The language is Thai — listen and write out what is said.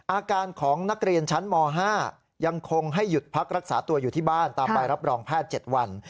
อาการของนักเรียนชั้นม๕ยังคงให้หยุดพักรักษาตัวอยู่ที่บ้านตามไปรับรองแพทย์๗วัน